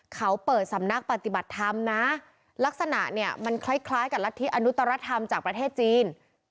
เขาเปิดสำนักปฏิบัติธรรมนะลักษณะมันคล้ายกับลักษณ์ที่อนุตรรัฐธรรมจากประเทศจีน